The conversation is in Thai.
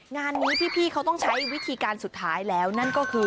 งานนี้พี่เขาต้องใช้วิธีการสุดท้ายแล้วนั่นก็คือ